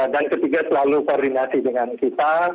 dan ketiga selalu koordinasi dengan kita